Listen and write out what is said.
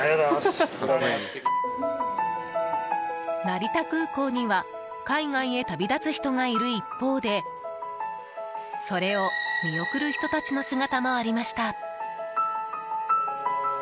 成田空港には海外へ旅立つ人がいる一方でそれを見送る人たちの姿もありました。